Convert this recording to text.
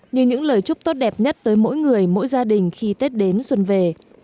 như những lời chúc tốt đẹp nhất tới mỗi người mỗi gia đình khi tết đến xuân về